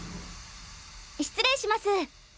失礼します。